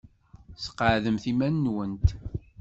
Sqeɛdemt iman-nwent.